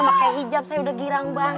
pakai hijab saya udah girang banget